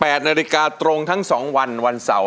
และเงินที่สะสมมาจะตกเป็นของผู้ที่ร้องถูก